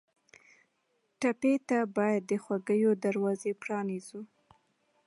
ټپي ته باید د خوښیو دروازې پرانیزو.